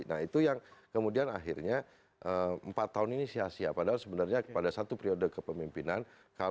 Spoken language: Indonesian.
nah itu yang kemudian akhirnya empat tahun ini sia sia padahal sebenarnya pada satu periode kepemimpinan